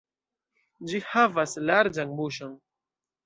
Ĝi havas larĝan buŝon.